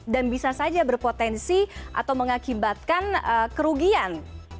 dan bisa saja berpotensi atau mengakibatkan kerugian